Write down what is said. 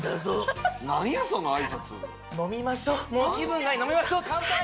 飲みましょう！乾杯！